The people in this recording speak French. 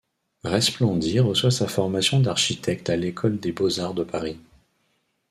Resplandy reçoit sa formation d'architecte à l'École des beaux-arts de Paris.